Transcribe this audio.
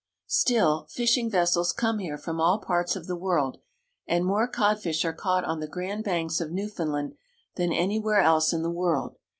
Still, fishing vessels come here fram all parts of the world, and more codfish are caught on the Grand Banks of Newfoundland than anywhere else in the world.